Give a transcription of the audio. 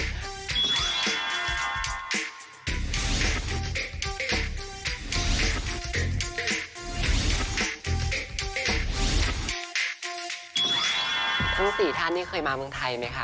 ทั้ง๔ท่านนี่เคยมาเมืองไทยไหมคะ